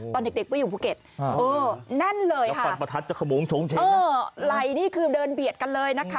ตอนเด็กไม่อยู่บริเวณภูเก็ตแน่นเลยค่ะเออไหล่นี่คือเดินเบียดกันเลยนะคะ